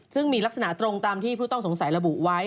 ซึ่งมีลักษณะตรงตามที่ผู้ต้องสงสัยระบุไว้